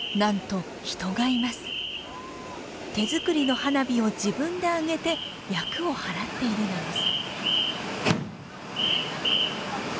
手作りの花火を自分で上げて厄を払っているのです。